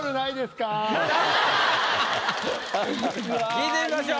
聞いてみましょう。